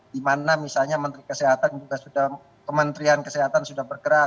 dimana misalnya menteri kesehatan juga sudah kementerian kesehatan sudah bergerak